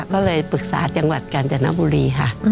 ก็เลยปรึกษาจังหวัดกาญจนบุรีค่ะ